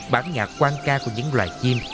bản ngạc quan ca của những loài chim